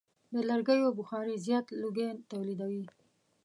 د لرګیو بخاري زیات لوګی تولیدوي.